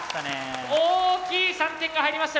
大きい３点が入りました。